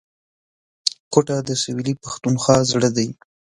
کوټه د سویلي پښتونخوا زړه دی